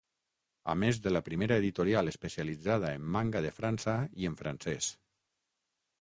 A més de la primera editorial especialitzada en manga de França i en francès.